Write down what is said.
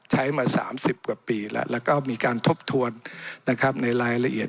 ใช้มา๓๐กว่าปีแล้วแล้วก็มีการทบทวนนะครับในรายละเอียด